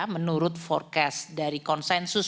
menurut forecast dari konsensus